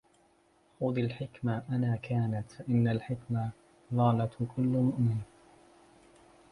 خذ الحكمة أنّى كانت، فإنّ الحكمة ضاّلة كلّ مؤمن.